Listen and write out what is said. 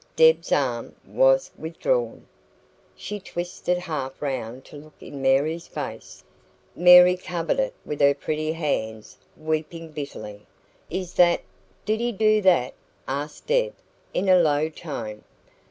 Deb's arm was withdrawn. She twisted half round to look in Mary's face. Mary covered it with her pretty hands, weeping bitterly. "Is that did he do that?" asked Deb, in a low tone.